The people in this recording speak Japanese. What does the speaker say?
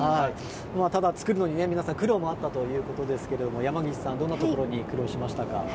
ただ、作るのに皆さん苦労もあったということですけれども山岸さん、どんなところに苦労しましたか？